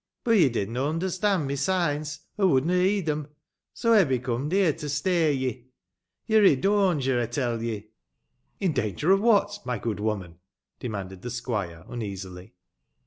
Boh ye didna onderstand my signs, or wouldna lieed 'em, so ey be cnm'd heie to stay ye. Yo're i' dawnger, ey teil ye." " In danger of what, my good woman P" demanded the sqtiire, uneasily.